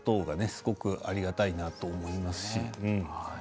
すごくありがたいなと思いますし。